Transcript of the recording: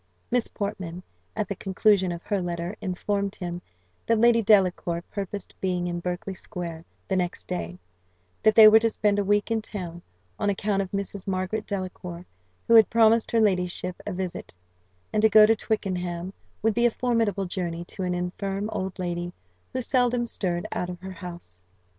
Miss Portman, at the conclusion of her letter, informed him that Lady Delacour purposed being in Berkeley square the next day; that they were to spend a week in town, on account of Mrs. Margaret Delacour, who had promised her ladyship a visit; and to go to Twickenham would be a formidable journey to an infirm old lady, who seldom stirred out of her house.